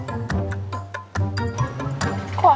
aku gak terima